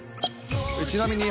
ちなみに。